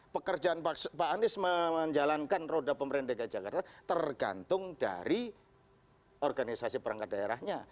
pekerjaan pak anies menjalankan roda pemerintah dki jakarta tergantung dari organisasi perangkat daerahnya